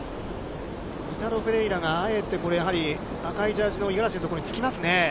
イタロ・フェレイラがあえて、これやはり赤いジャージの五十嵐の所につきますね。